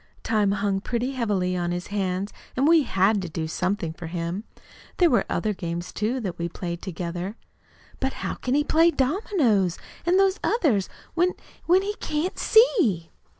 Time hung pretty heavily on his hands, and we HAD to do something for him. There were other games, too, that we played together." "But how can he play dominoes, an' those others, when when he can't see?"